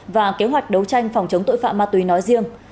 và kế hoạch đấu tranh phòng chống tội phạm ma túy nói riêng